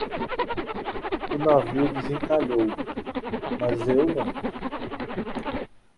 O navio desencalhou, mas eu não